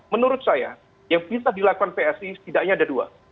menurut saya yang bisa dilakukan psi setidaknya ada dua